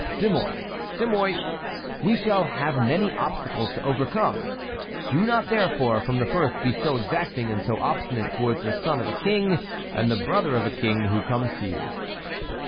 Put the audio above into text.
"De Mouy, De Mouy, we shall have many obstacles to overcome. Do not, therefore, from the first be so exacting and so obstinate towards the son of a king and the brother of a king who comes to you."